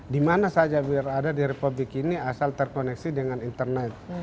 dimana saja berada di republik ini asal terkoneksi dengan internet